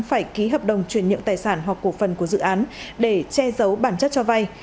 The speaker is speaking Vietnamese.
phải ký hợp đồng truyền nhượng tài sản hoặc cổ phần của dự án để che giấu bản chất cho vay